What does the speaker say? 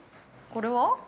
◆これは？